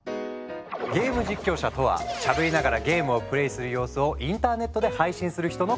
ゲーム実況者とはしゃべりながらゲームをプレーする様子をインターネットで配信する人のこと。